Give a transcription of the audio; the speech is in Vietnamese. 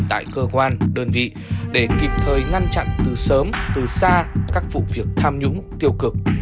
tại cơ quan đơn vị để kịp thời ngăn chặn từ sớm từ xa các vụ việc tham nhũng tiêu cực